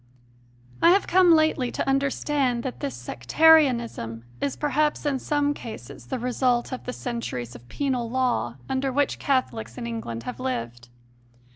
I have come lately to understand that this Sec tarianism is perhaps in some cases the result of the centuries of penal law under which Catholics in England have lived.